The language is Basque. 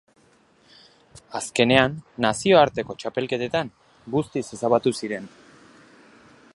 Azkenean, nazioarteko txapelketetan guztiz ezabatu ziren.